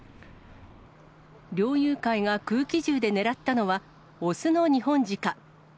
猟友会が空気銃で狙ったのは、雄のニホンジカ。